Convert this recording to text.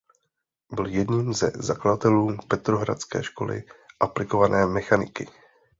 Byl jedním ze zakladatelů petrohradské školy aplikované mechaniky.